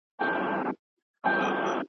په واړه کور کي له ورور سره دښمن یو .